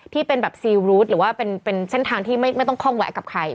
ที่เป็นแบบซีรูดหรือว่าเป็นเส้นทางที่ไม่ต้องคล่องแวะกับใคร